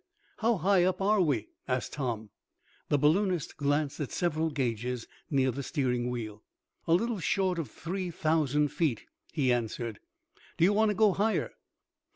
"How high up are we?" asked Tom. The balloonist glanced at several gauges near the steering wheel. "A little short of three thousand feet," he answered. "Do you want to go higher?"